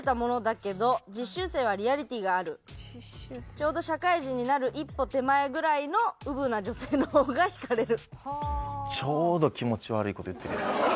ちょうど社会人になる一歩手前ぐらいのうぶな女性の方が惹かれる。